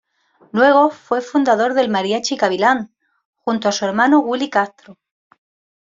Luego fue fundador del ""Mariachi Gavilán"" junto a su hermano Willy Castro.